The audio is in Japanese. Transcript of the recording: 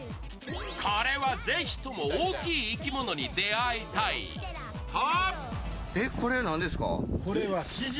これは是非とも大きい生き物に出会いたい、と！